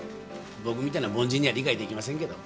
僕みたいな凡人には理解出来ませんけど。